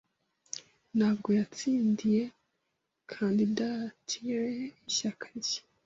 Ntabwo yatsindiye kandidatire y'ishyaka rye.